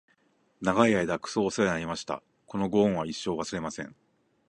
長い間クソおせわになりました！！！このご恩は一生、忘れません！！